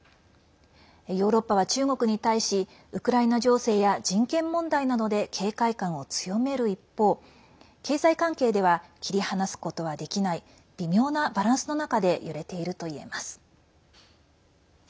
ヨーロッパは中国に対しウクライナ情勢や人権問題などで警戒感を強める一方経済関係では切り離すことはできない微妙なバランスの中で揺れているといえます。